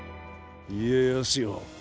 家康よ。